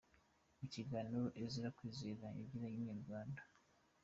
Mu kiganiro Esra Kwizera yagiranye n’Inyarwanda.